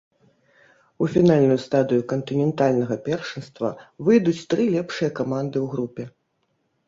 У фінальную стадыю кантынентальнага першынства выйдуць тры лепшыя каманды ў групе.